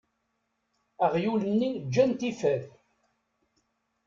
Aɣyul-nni ǧǧan-t ifad.